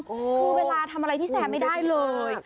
คือเวลาทำอะไรพี่แซมไม่ได้เลย